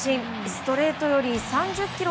ストレートより３０キロ